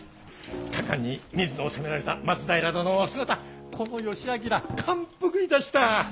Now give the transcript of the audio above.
果敢に水野を攻められた松平殿のお姿この義昭感服いたした！